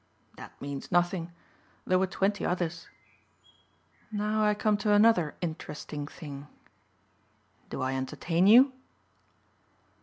That means nothing. There were twenty others. Now I come to another interesting thing. Do I entertain you?"